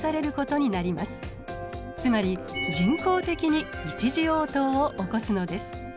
つまり人工的に一次応答を起こすのです。